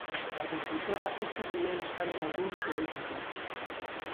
Para a consultora, esta realidade sábena algúns, pero outros non.